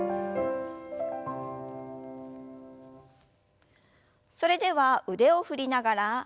それでは腕を振りながら背中を丸く。